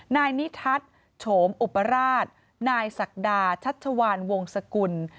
นายนิทัศน์โฉมอุปราชนายศักดาชัชวานวงศกุล